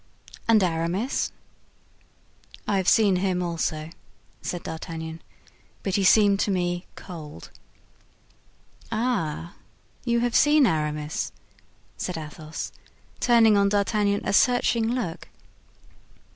And Aramis?" "I have seen him also," said D'Artagnan; "but he seemed to me cold." "Ah, you have seen Aramis?" said Athos, turning on D'Artagnan a searching look.